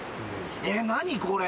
えっ何これ。